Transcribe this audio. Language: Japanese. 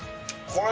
これ？